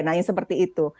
nah yang seperti itu